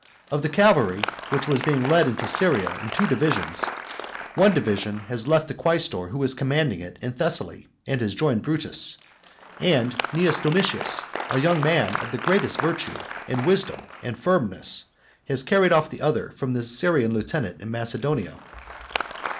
Of the cavalry, which was being led into Syria in two divisions, one division has left the quaestor who was commanding it, in Thessaly, and has joined Brutus; and Cnaeus Domitius, a young man of the greatest virtue and wisdom and firmness, has carried off the other from the Syrian lieutenant in Macedonia.